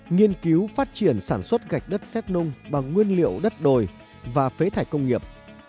nghiên cứu phát triển sản xuất gạch đất xét nung bằng nguyên liệu đất đồi và phế thải công nghiệp